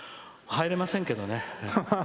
入れませんけどね。